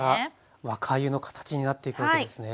若あゆの形になっていくわけですね。